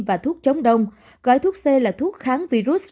và thuốc chống đông gói thuốc c là thuốc kháng virus